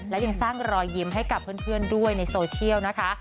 และยังสร้างรอยยิ้มให้กับเพื่อนด้วยในโซเชียลนะคะ